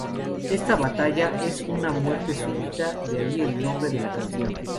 Esta batalla es una muerte súbita, de ahí el nombre de la canción.